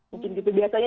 mungkin gitu biasanya